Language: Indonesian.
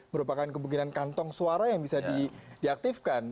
merupakan kemungkinan kantong suara yang bisa diaktifkan